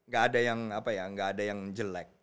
gak ada yang apa ya nggak ada yang jelek